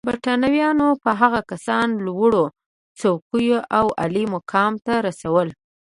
برېټانویانو به هغه کسان لوړو څوکیو او عالي مقام ته رسول.